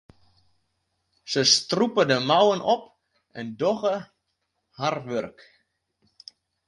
Se strûpe de mouwen op en dogge har wurk.